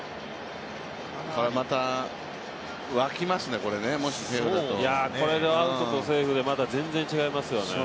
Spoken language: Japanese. また沸きますね、セーフだとこれでアウトとセーフで、また全然違いますよね。